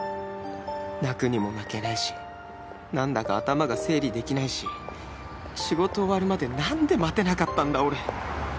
泣くにも泣けないしなんだか頭が整理できないし仕事終わるまでなんで待てなかったんだ俺